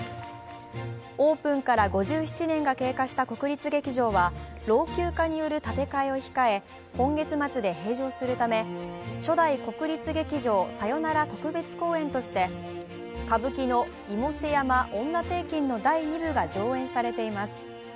オープンから５７年が経過した国立劇場は老朽化による建て替えを控え今月末で閉場するため初代国立劇場さよなら特別公演として歌舞伎の「妹背山婦女庭訓」の第２部が上演されています。